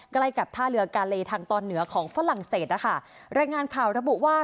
ใกล้กับท่าเรือกาเลทางตอนเหนือของฝรั่งเศสนะคะรายงานข่าวระบุว่า